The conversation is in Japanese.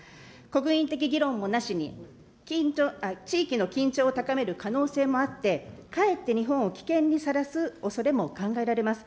国民的議論もなしに、地域の緊張を高める可能性もあって、かえって日本を危険にさらすおそれも考えられます。